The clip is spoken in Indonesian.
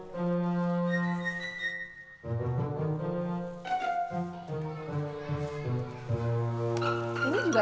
buatan saya sendiri